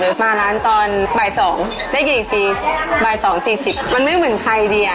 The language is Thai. เอาอย่างนี้ดีกว่าหนูก็อยากรู้ว่าคนที่เขามา